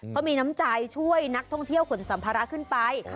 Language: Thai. เขามีน้ำใจช่วยนักท่องเที่ยวขนสัมภาระขึ้นไป